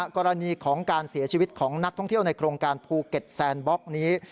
กรณีของการเสียชีวิตของนักท่องเที่ยวในโครงการภูเก็ตแซนบล็อกนี้